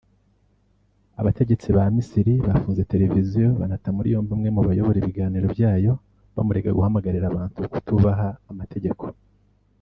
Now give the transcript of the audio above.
Abategetsi ba Misiri bafunze televiziyo banata muri yombi umwe mu bayobora ibiganiro byayo bamurega guhamagarira abantu kutubaha amategeko